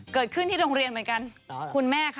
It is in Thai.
เกิดขึ้นที่โรงเรียนเหมือนกันคุณแม่ค่ะ